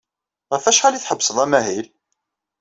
Ɣef wacḥal ay tḥebbsed amahil?